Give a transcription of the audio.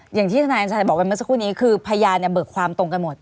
อย่างที่ทนายอนชัยบอกไปเมื่อสักครู่นี้คือพยานเนี่ยเบิกความตรงกันหมด